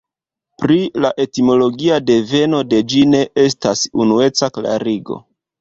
Pri la etimologia deveno de ĝi ne estas unueca klarigo.